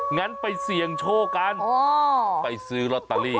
งั้นไปเสี่ยงโชคกันไปซื้อลอตเตอรี่